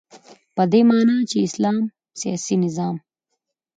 په دی معنا چی د اسلام سیاسی نظام